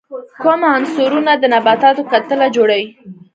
کوم عنصرونه د نباتاتو کتله جوړي؟